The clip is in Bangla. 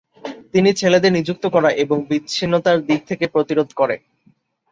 তিনি ছেলেদের নিযুক্ত করা এবং বিচ্ছিন্নতার দিক থেকে প্রতিরোধ করে।